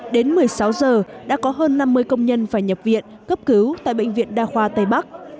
đến một mươi sáu giờ đã có hơn năm mươi công nhân phải nhập viện cấp cứu tại bệnh viện đa khoa tây bắc